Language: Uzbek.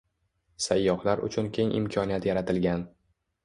Sayyohlar uchun keng imkoniyat yaratilgan